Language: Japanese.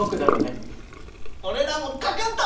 俺らも書かんと！